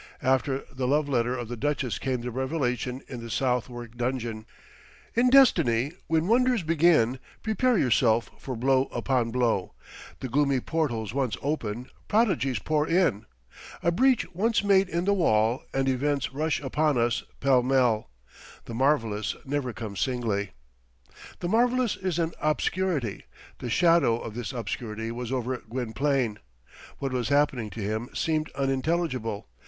After the love letter of the duchess came the revelation in the Southwark dungeon. In destiny, when wonders begin, prepare yourself for blow upon blow. The gloomy portals once open, prodigies pour in. A breach once made in the wall, and events rush upon us pell mell. The marvellous never comes singly. The marvellous is an obscurity. The shadow of this obscurity was over Gwynplaine. What was happening to him seemed unintelligible.